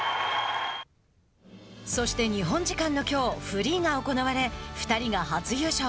そして日本時間のきょうフリーが行われ、２人が初優勝。